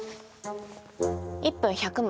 １分１００枚。